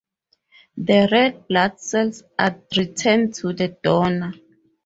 The red blood cells are returned to the donor.